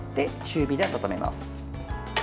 中火で温めます。